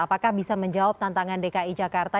apakah bisa menjawab tantangan dki jakarta